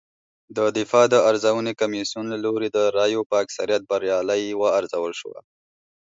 د دفاع د ارزونې کمېسیون له لوري د رایو په اکثریت بریالۍ وارزول شوه